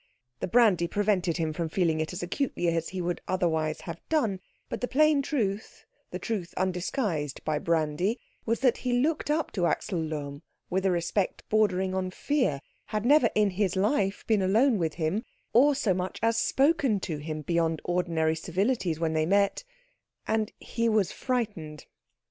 The brandy prevented him from feeling it as acutely as he would otherwise have done, but the plain truth, the truth undisguised by brandy, was that he looked up to Axel Lohm with a respect bordering on fear, had never in his life been alone with him, or so much as spoken to him beyond ordinary civilities when they met, and he was frightened.